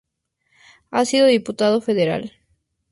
Ha sido Diputada Federal.